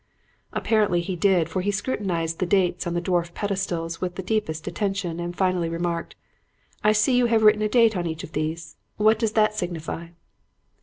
"Apparently he did, for he scrutinized the dates on the dwarf pedestals with the deepest attention and finally remarked, 'I see you have written a date on each of these. What does that signify?'